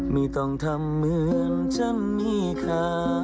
ไม่ต้องทำเหมือนฉันนี่ค่ะ